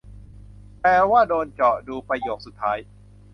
แปลว่า "โดนเจาะ" ดูประโยคสุดท้าย